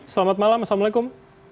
selamat malam assalamualaikum